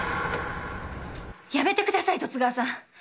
やめてください十津川さん！